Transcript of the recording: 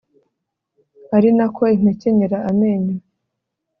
ari na ko impekenyera amenyo